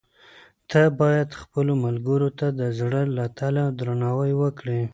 ته باید خپلو ملګرو ته د زړه له تله درناوی وکړې.